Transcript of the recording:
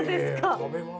食べます。